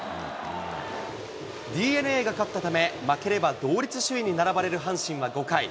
ＤｅＮＡが勝ったため、負ければ同一首位に並ばれる阪神は５回。